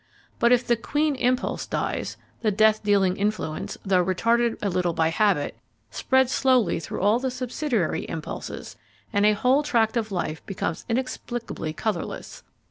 But if the queen impulse dies, the death dealing influence, though retarded a little by habit, spreads slowly through all the subsidiary impulses, and a whole tract of life becomes inexplicably colourless.